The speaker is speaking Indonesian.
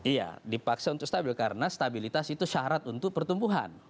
iya dipaksa untuk stabil karena stabilitas itu syarat untuk pertumbuhan